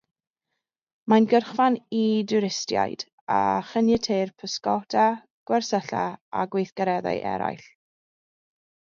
Mae'n gyrchfan i dwristiaid, a chaniateir pysgota, gwersylla a gweithgareddau eraill.